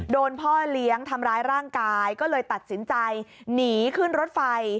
พ่อเลี้ยงทำร้ายร่างกายก็เลยตัดสินใจหนีขึ้นรถไฟ